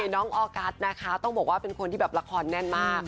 น้องออร์กัทต้องบอกว่าเป็นคนที่ละครแน่นมาก